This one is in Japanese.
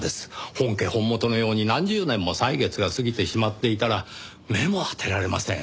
本家本元のように何十年も歳月が過ぎてしまっていたら目も当てられません。